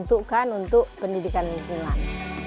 untukkan untuk pendidikan lingkungan